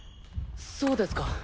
そうですか。